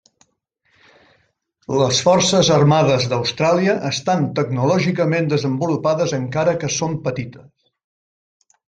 Les Forces Armades d'Austràlia estan tecnològicament desenvolupades encara que són petites.